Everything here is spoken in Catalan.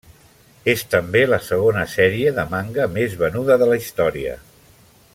És també la segona sèrie de manga més venuda de la història.